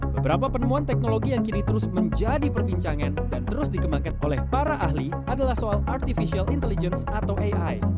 beberapa penemuan teknologi yang kini terus menjadi perbincangan dan terus dikembangkan oleh para ahli adalah soal artificial intelligence atau ai